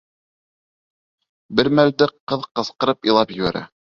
Бер мәлде ҡыҙ ҡысҡырып илап ебәрә.